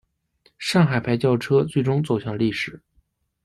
上海牌轿车最终走向历史。